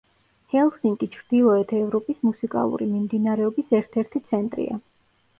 ჰელსინკი ჩრდილოეთ ევროპის მუსიკალური მიმდინარეობის ერთ-ერთი ცენტრია.